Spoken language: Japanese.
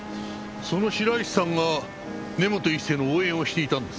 その白石さんが根本一成の応援をしていたんですね？